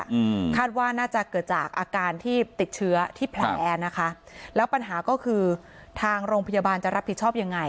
อืมคาดว่าน่าจะเกิดจากอาการที่ติดเชื้อที่แผลนะคะแล้วปัญหาก็คือทางโรงพยาบาลจะรับผิดชอบยังไง